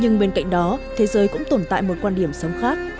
nhưng bên cạnh đó thế giới cũng tồn tại một quan điểm sống khác